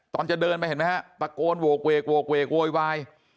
ตอนจะเดินไปเห็นไหมฮะตะโกนโหกเวกโหกเวกโวยวาย